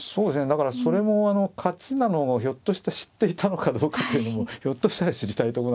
だからそれも勝ちなのをひょっとして知っていたのかどうかというのもひょっとしたら知りたいとこなんですけど。